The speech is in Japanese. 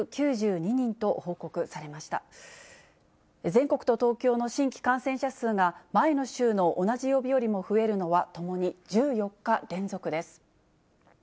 全国と東京の新規感染者数が前の週の同じ曜日よりも増えるのは、ともに１４日連続です。